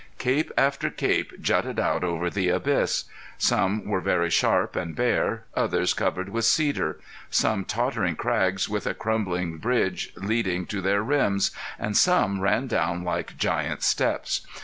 Cape after cape jutted out over the abyss. Some were very sharp and bare, others covered with cedar; some tottering crags with a crumbling bridge leading to their rims; and some ran down like giant steps.